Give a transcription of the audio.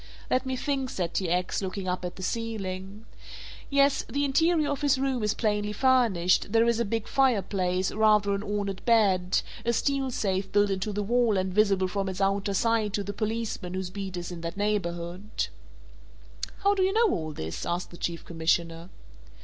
"Let me think," said T. X., looking up at the ceiling. "Yes, the interior of his room is plainly furnished, there is a big fireplace, rather an ornate bed, a steel safe built into the wall and visible from its outer side to the policeman whose beat is in that neighborhood." "How do you know all this?" asked the Chief Commissioner.